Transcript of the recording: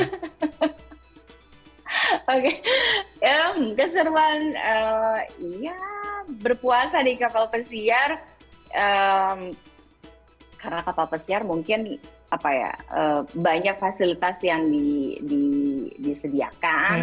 oke keseruan ya berpuasa di kapal pesiar karena kapal pesiar mungkin banyak fasilitas yang disediakan